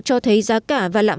cho thấy giá cả